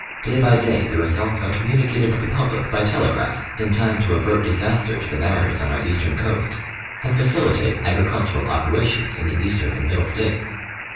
Day by day the re sults are communicated to the public by telegraph in time to avert disaster to the mariners on our eastern coast, and facilitate agri cultural operations in the Eastern and Middle States.